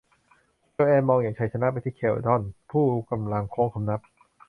โจแอนมองอย่างชัยชนะไปที่เขลดอน ผู้กำลังโค้งคำนับ